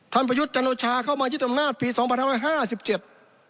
ท่านพระยุทธจนโดชาเข้ามาจิตรรมนาศภีร์สองพันธุ์ห้าห้าสิบเจ็บ